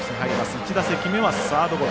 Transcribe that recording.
１打席目はサードゴロ。